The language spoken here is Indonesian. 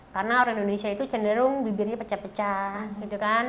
karena orang indonesia itu cenderung bibirnya pecah pecah gitu kan